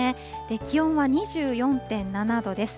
気温は２４．７度です。